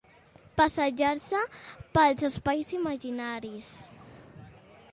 Passejar-se pels espais imaginaris.